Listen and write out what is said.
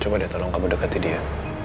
coba deh tolong kamu dekati dia